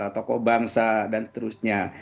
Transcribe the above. tokoh bangsa dan seterusnya